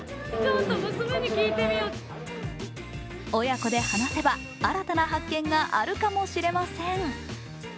親子で話せば、新たな発見があるかもしれません。